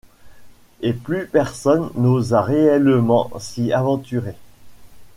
Et plus personne n'osa réellement s'y aventurer.